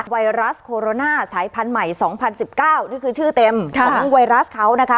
ไวรัสโคโรน่าสายพันธุ์ใหม่สองพันสิบเก้านี่คือชื่อเต็มค่ะของไวรัสเขานะคะ